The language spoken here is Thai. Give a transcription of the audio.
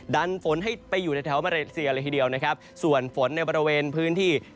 ดันฝนให้ไปอยู่ในแถวมาเลเซียเลยทีเดียวนะครับส่วนฝนในบริเวณพื้นที่